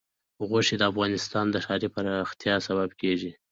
غوښې د افغانستان د ښاري پراختیا سبب کېږي.